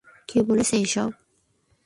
কে বলেছে এসব?